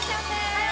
はい！